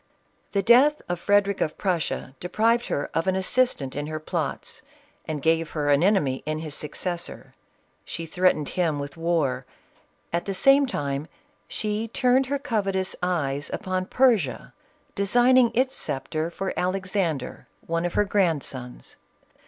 The death of Frederic of Prussia deprived her of an assistant in her plots, and gave her an enemy in his successor. She threatened him with war ; at the same time she turned her covetous eyes upon Persia, designing its sceptre for Alexander, one of her grandsons.